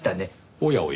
おやおや。